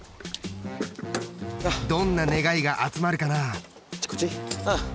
どんな願いが集まるかな？